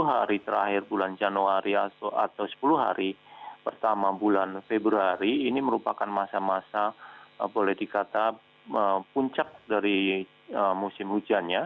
hari terakhir bulan januari atau sepuluh hari pertama bulan februari ini merupakan masa masa boleh dikata puncak dari musim hujannya